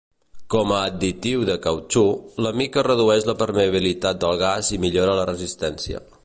Com a additiu de cautxú, la mica redueix la permeabilitat del gas i millora la resistència.